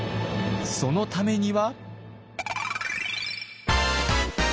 そのためには。